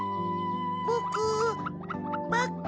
ぼくバック。